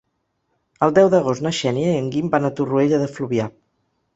El deu d'agost na Xènia i en Guim van a Torroella de Fluvià.